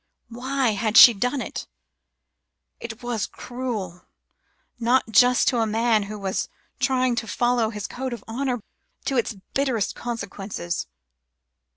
Why had she done it? It was cruel, not just to a man who was trying to follow his code of honour, to its bitterest consequences."